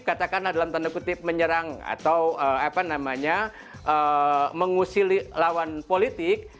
katakanlah dalam tanda kutip menyerang atau mengusili lawan politik